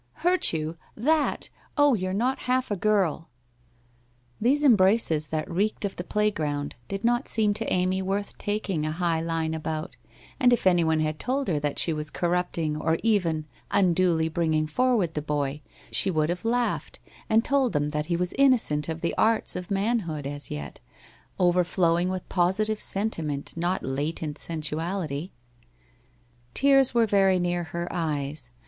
' Hurt you! That! Oh, you're not half a girl! ' 42 WHITE ROSE OF WEARY LEAF These embraces that reeked of the playground, did not seem to Amy worth taking a high line about, and if anyone had told her that she was corrupting or even unduly bringing forward the boy, she would have laughed and told them that he was innocent of the arts of man hood as yet, overflowing with positive sentiment, not latent sensuality. Tears were very near his eyes.